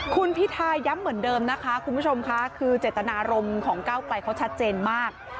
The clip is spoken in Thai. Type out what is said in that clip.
คุณพิทาย้ำเหมือนเดิมนะคะคุณผู้ชมค่ะคือเจตนารมณ์ของก้าวไกลเขาชัดเจนมาก